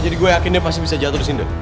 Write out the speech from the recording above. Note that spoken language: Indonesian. jadi gue yakin dia pasti bisa jatuh